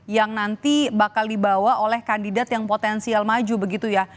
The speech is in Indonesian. yang nanti bakal dibawa oleh kandidat yang potensial maju begitu ya